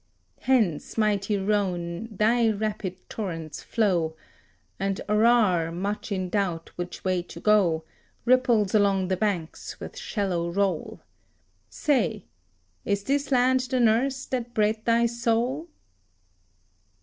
Hence, mighty Rhone, thy rapid torrents flow, And Arar, much in doubt which way to go, Ripples along the banks with shallow roll. Say, is this land the nurse that bred thy soul?"